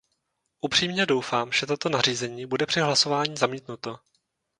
Upřímně doufám, že toto nařízení bude při hlasování zamítnuto.